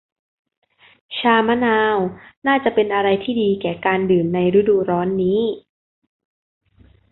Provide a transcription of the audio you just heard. ชามะนาวน่าจะเป็นอะไรที่ดีแก่การดื่มในฤดูร้อนนี้